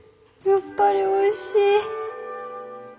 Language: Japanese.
やっぱりおいしい！